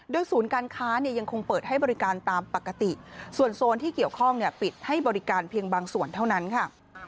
โดยศูนย์การค้าเนี่ยยังคงเปิดให้บริการตามปกติส่วนโซนที่เกี่ยวข้องปิดให้บริการเพียงบางส่วนเท่านั้นค่ะ